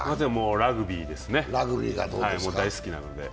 ラグビーですね、大好きなので。